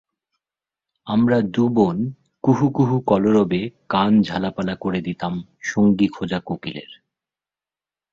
আমরা দুবোন কুহু কুহু কলরবে কান ঝালাপালা করে দিতাম সঙ্গী খোঁজা কোকিলের।